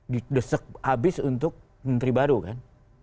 didesak habis untuk menteri baru kan